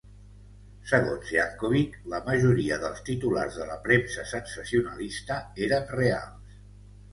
Segons Yankovic, la majoria dels titulars de la premsa sensacionalista eren reals.